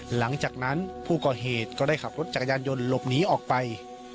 หลังจากนั้นผู้ก่อเหตุก็ได้ขับรถจักรยานยนต์หลบหนีออกไป